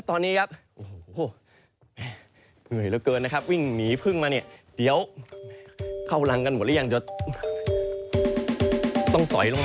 โอ้โห